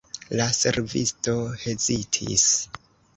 La servisto hezitis.